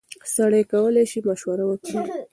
سړی کولی شي مشوره ورکړي.